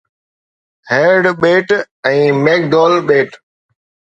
herd ٻيٽ ۽ McDonald ٻيٽ